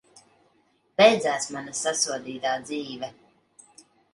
Beidzās mana sasodītā dzīve!